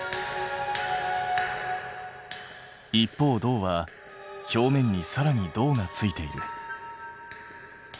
一方銅は表面にさらに銅がついている。